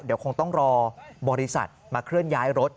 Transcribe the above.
เดี๋ยวคงต้องรอบริษัทมาเคลื่อนย้ายรถ